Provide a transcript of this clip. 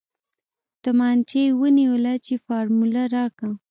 تمانچه يې ونيوله چې فارموله راکه.